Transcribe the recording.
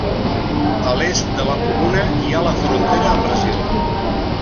A l'est de la comuna, hi ha la frontera amb Brasil.